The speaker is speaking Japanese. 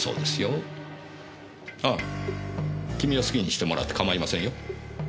ああ君は好きにしてもらってかまいませんよ。